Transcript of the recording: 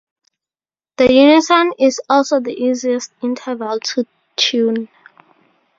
The unison is also the easiest interval to tune.